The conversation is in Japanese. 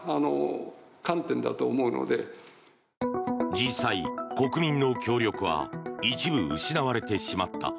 実際、国民の協力は一部失われてしまった。